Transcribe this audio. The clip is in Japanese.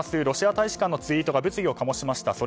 ロシア大使館のツイートが物議を醸しました。